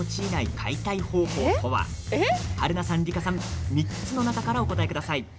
春菜さん、梨花さん３つの中からお答えください。